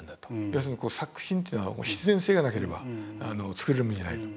要するに作品というのは必然性がなければ作る意味がないと。